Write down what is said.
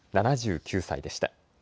７９歳でした。